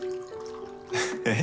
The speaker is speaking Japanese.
えっ？